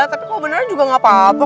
tapi kok beneran juga gak apa apa